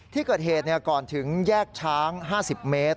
ที่เกิดเหตุก่อนถึงแยกช้าง๕๐เมตร